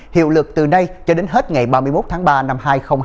hiệu lực từ nay cho đến hết ngày ba mươi một tháng ba năm hai nghìn hai mươi